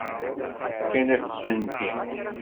Fkan-akent-tent-id.